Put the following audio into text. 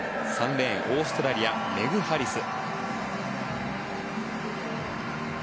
３レーン、オーストラリアメグ・ハリス。